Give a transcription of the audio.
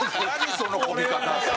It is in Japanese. その媚び方。